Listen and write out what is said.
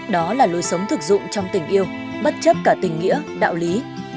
đó là lối sống thực dụng trong tình yêu bất chấp cả tình nghĩa đạo lý